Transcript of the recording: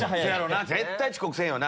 絶対遅刻せんよな！